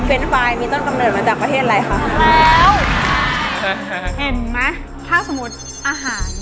เป็นไฟล์มีต้นกำเนิดมาจากประเทศอะไรคะแล้วเห็นไหมถ้าสมมุติอาหาร